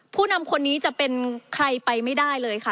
ผู้นำคนนี้จะเป็นใครไปไม่ได้เลยค่ะ